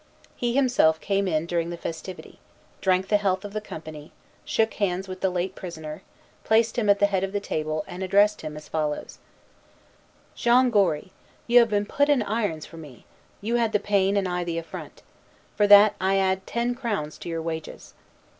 He himself came in during the festivity, drank the health of the company, shook hands with the late prisoner, placed him at the head of the table, and addressed him as follows: "Jean Gory, you have been put in irons for me: you had the pain, and I the affront. For that, I add ten crowns to your wages."